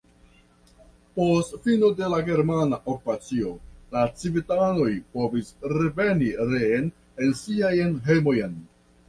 Post fino de la germana okupacio la civitanoj povis reveni reen en siajn hejmojn.